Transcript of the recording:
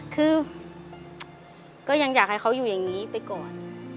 คือก็ยังอยากให้เขาอยู่อย่างนี้ไปก่อน